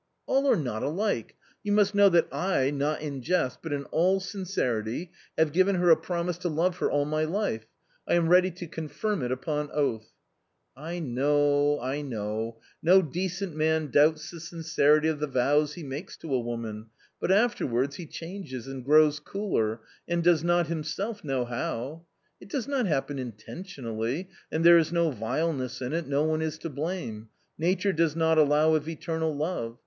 " All are not alike. You must know that I, not in jest, but in all sincerity have given her a promise to love her all my life ; I am ready to confirm it upon oath." " I kaow, I know ! No decent man doubts the sincerity of the vows he makes to a woman, but afterwards he changes and grows cooler, and does not himself know how. It does not happen intentionally, and there is no vileness in it, no one is to blame; nature does not allow of eternal love.